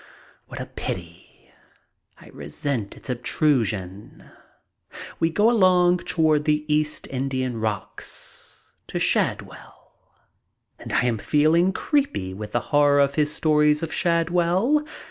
What a pity! I resent its obtrusion. We go along toward the East Indian Rocks — to Shadwell. And I am feeling creepy with the horror of his stories of Shadwell.